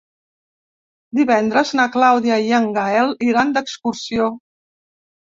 Divendres na Clàudia i en Gaël iran d'excursió.